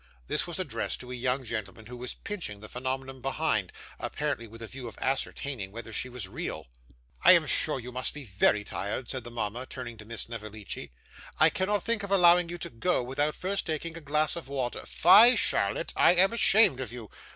This was addressed to a young gentleman who was pinching the phenomenon behind, apparently with a view of ascertaining whether she was real. 'I am sure you must be very tired,' said the mama, turning to Miss Snevellicci. 'I cannot think of allowing you to go, without first taking a glass of wine. Fie, Charlotte, I am ashamed of you!